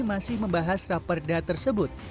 masih membahas raperda tersebut